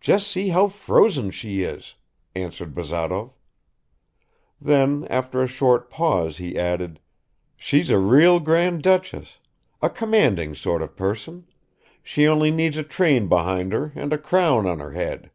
Just see how frozen she is!" answered Bazaroy; then after a short pause he added, "She's a real Grand Duchess, a commanding sort of person; she only needs a train behind her, and a crown on her head."